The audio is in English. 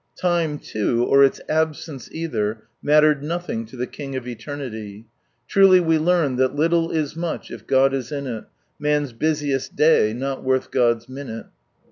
Time, loo, or its absence either, mattered nothing to the King of eternity. Truly we learned that " Litlle is much if GoJ is in it, ^ian's busiest day not worth God's minute."